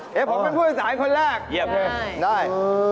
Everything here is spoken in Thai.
ผมเป็นพูดภาษาคนแรกได้